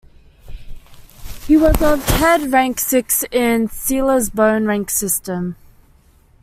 He was of head-rank six in Silla's bone rank system.